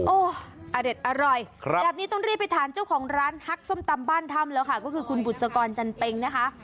อเด็ดอร่อยแบบนี้ต้องรีบไปถามเจ้าของร้านฮักส้มตำบ้านถ้ำแล้วค่ะก็คือคุณบุษกรจันเป็งนะคะ